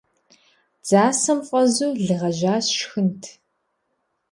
Дзасэм фӏэзу лы гъэжьа сшхынт!